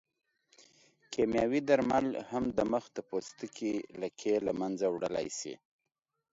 کیمیاوي درمل هم د مخ د پوستکي لکې له منځه وړلی شي.